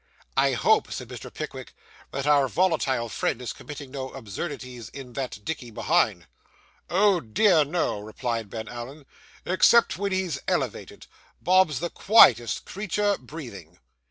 'I hope,' said Mr. Pickwick, 'that our volatile friend is committing no absurdities in that dickey behind.' 'Oh dear, no,' replied Ben Allen. 'Except when he's elevated, Bob's the quietest creature breathing.